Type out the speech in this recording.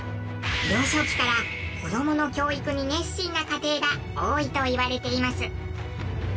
幼少期から子どもの教育に熱心な家庭が多いといわれています。